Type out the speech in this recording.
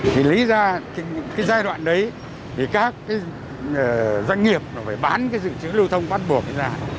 thì lý ra cái giai đoạn đấy thì các doanh nghiệp phải bán cái dự trữ lưu thông bắt buộc ra